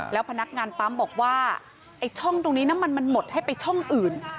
แล้วพนักงานปั๊มบอกว่าไอ้ช่องตรงนี้น้ำมันมันหมดให้ไปช่องอื่น